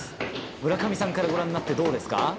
村上さんからご覧になってどうですか？